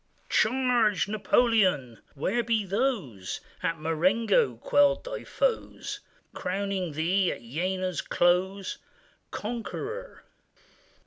Charge, Napoleon! Where be those At Marengo quelled thy foes; Crowning thee at Jena's close Conqueror?